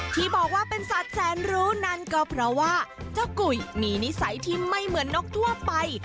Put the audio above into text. ที่บอกว่าเป็นสัตว์แสนรู้นั้นก็เพราะว่าเจ้ากุยมีนิสัยที่ไม่เหมือนนกทั่วไป